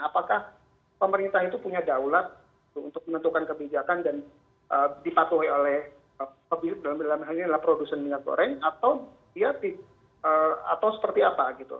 apakah pemerintah itu punya daulat untuk menentukan kebijakan dan dipatuhi oleh pemilik dalam hal ini adalah produsen minyak goreng atau ya atau seperti apa gitu